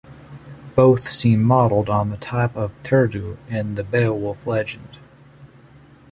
Both seem modeled on the type of Thyrdo of the Beowulf legend.